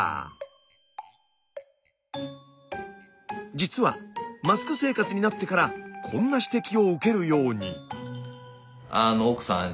実はマスク生活になってからこんな指摘を受けるように。